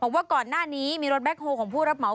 ว่าก่อนหน้านี้มีรถแคคโฮลของผู้รับเหมา